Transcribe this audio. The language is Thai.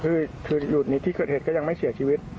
แต่คือหยุดนี้ที่เกิดเหตุก็ยังไม่เกี่ยวชีวิต